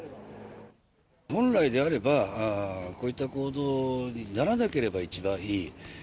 本来であれば、こういった行動にならなければ一番いい。